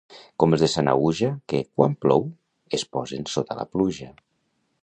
Com els de Sanaüja, que, quan plou, es posen sota la pluja.